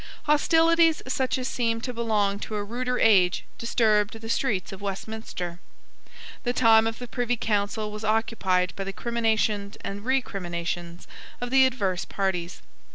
Hostilities such as seemed to belong to a ruder age disturbed the streets of Westminster. The time of the Privy Council was occupied by the criminations and recriminations of the adverse parties.